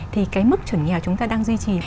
thì cái mức chuẩn nghèo chúng ta đang duy trì